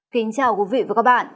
kính chào quý vị và các bạn